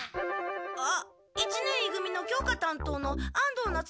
あっ一年い組の教科担当の安藤夏之丞先生。